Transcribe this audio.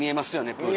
プール。